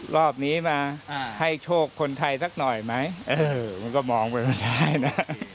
รอบนี้มาให้โชคคนไทยสักหน่อยไหมเออมันก็มองไปไม่ได้นะ